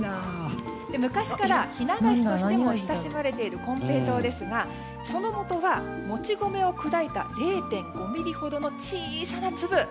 昔からひな菓子としても親しまれている金平糖ですがそのもとはもち米を砕いた０．５ｍｍほどの小さな粒。